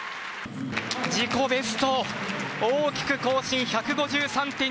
自己ベストを大きく更新１５３．２９。